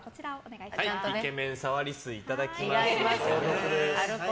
イケメン触り水いただきます。